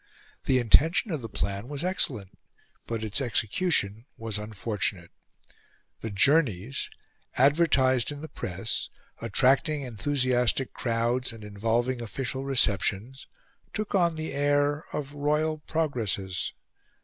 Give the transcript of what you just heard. The intention of the plan was excellent, but its execution was unfortunate. The journeys, advertised in the Press, attracting enthusiastic crowds, and involving official receptions, took on the air of royal progresses.